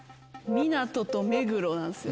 港と目黒なんですよ。